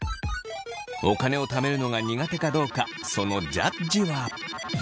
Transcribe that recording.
お金をためるのが苦手かどうかそのジャッジは。